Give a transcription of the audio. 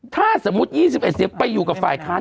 ถ้าสมมุติ๒๑เสียงไปอยู่กับฝ่ายค้าน